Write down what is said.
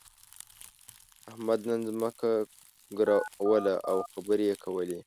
احمد نن ځمکه ګروله او خبرې يې کولې.